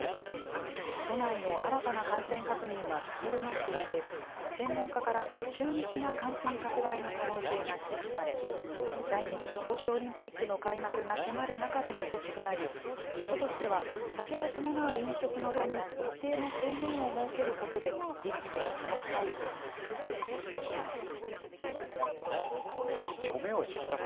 都内の新たな感染確認は下げ止まっていて、専門家から急激な感染拡大の可能性が指摘され、来月、東京オリンピックの開幕が迫る中での措置となり、都としては酒を伴う飲食の場に一定の制限を設けることで、リスクを減らしたい考えです。